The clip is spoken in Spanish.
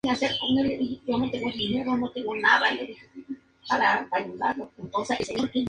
Se destaca por su habilidad para interpretar e imitar a la cantante Whitney Houston.